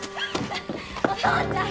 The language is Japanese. お父ちゃん！